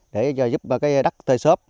để giúp đất tơi xốp